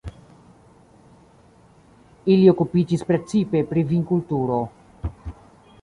Ili okupiĝis precipe pri vinkulturo.